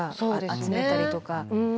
集めたりとか。